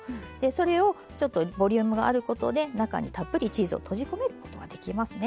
それをちょっとボリュームがあることで中にたっぷりチーズを閉じ込めることができますね。